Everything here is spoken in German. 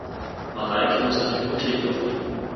Mareike muss eine Hypothek aufnehmen.